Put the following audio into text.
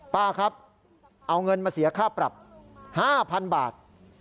ป้าครับเอาเงินมาเสียค่าปรับ๕๐๐๐บาท